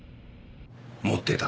持ってた。